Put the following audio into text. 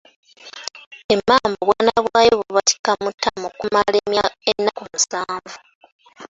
Emmamba obwana bwayo ebubatika mu ttama okumala ennaku musanvu.